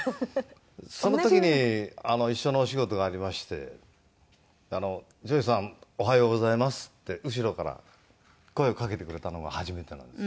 その時に一緒のお仕事がありまして「譲二さんおはようございます」って後ろから声をかけてくれたのが初めてなんです。